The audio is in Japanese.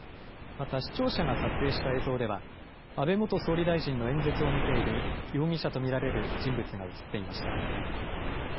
また、視聴者が撮影した映像では、安倍元総理大臣の演説を見ている容疑者と見られる人物が写っていました。